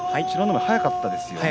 海は速かったですよね